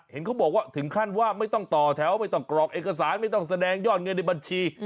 เห็นเขาบอกว่าถึงขั้นว่าไม่ต้องต่อแถวไม่ต้องกรอกเอกสารไม่ต้องแสดงยอดเงินในบัญชี